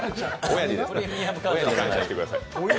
親に感謝してください。